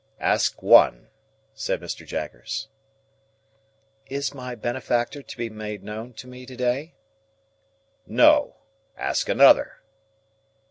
"Ask one," said Mr. Jaggers. "Is my benefactor to be made known to me to day?" "No. Ask another."